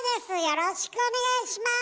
よろしくお願いします！